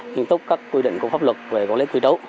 kiên túc các quy định của pháp luật về quản lý quy trấu